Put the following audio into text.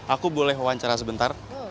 aku boleh wawancara sebentar